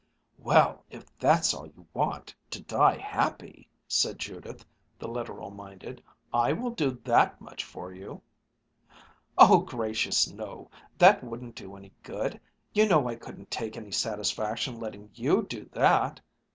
"Well, if that's all you want, to die happy," said Judith, the literal minded, "I will do that much for you!" "Oh gracious, no! That wouldn't do any good! You know I couldn't take any satisfaction letting you do that!"